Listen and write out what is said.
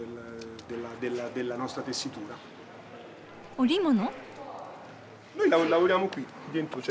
織物？